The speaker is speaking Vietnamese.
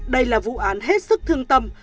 đây là vụ án hết sức thương tâm